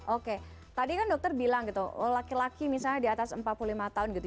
oke tadi kan dokter bilang gitu laki laki misalnya di atas empat puluh lima tahun gitu